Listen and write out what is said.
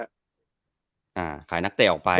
ขายนักเตะออกไป